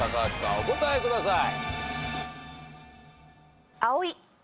お答えください。